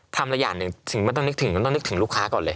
ทำสักอย่างหนึ่งต้องนึกถึงลูกค้าก่อนเลย